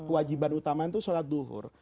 kewajiban utama itu sholat duhur